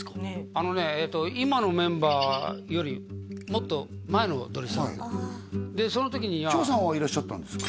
あのね今のメンバーよりもっと前のドリフターズでその時には長さんはいらっしゃったんですか？